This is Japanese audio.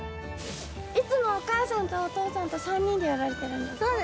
いつもお母さんとお父さんと３人でやられてるんですか？